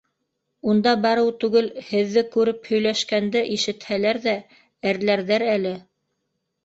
Унда барыу түгел, һеҙҙе күреп һөйләшкәнде ишетһәләр ҙә әрләрҙәр әле.